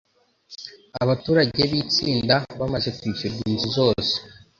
abaturage b i Batsinda bamaze kwishyurwa inzu zose